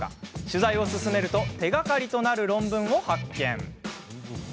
取材を進めると手がかりとなる論文を発見。